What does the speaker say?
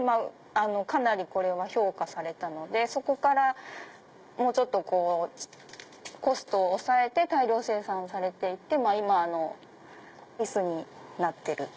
かなりこれが評価されたのでそこからもうちょっとコストを抑えて大量生産されていって今の椅子になってる。